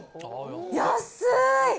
安い！